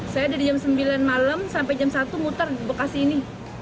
saya dari jam sembilan malam sampai jam satu muter di bekasi ini